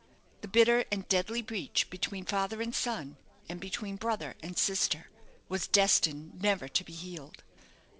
The bitter and deadly breach between father and son, and between brother and sister, was destined never to be healed.